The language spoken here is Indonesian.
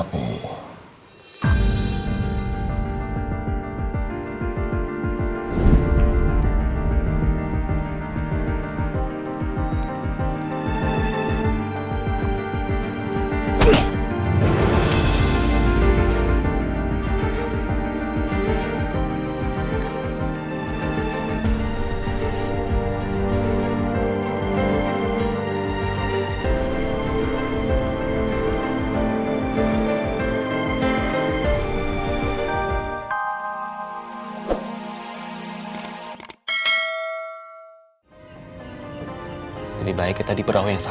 tidak ada yang lebih baik kita diperawai sama